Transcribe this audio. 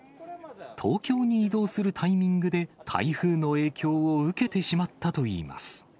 東京に移動するタイミングで、台風の影響を受けてしまったといいます。